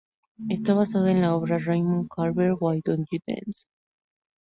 Está basada en la obra de Raymond Carver "Why Don't You Dance?